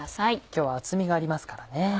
今日は厚みがありますからね。